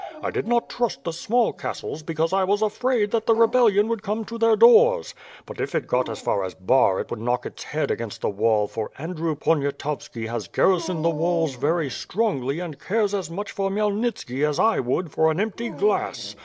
I did not trust the small castles because I was afraid that the rebellion would come to their doors. But, if it got as far as Bar it would knock its head against the wall for Andrew Poniatowski has garrisoned the walls very strongly and cares as much for Khmyelnitski as I would for an empty glass.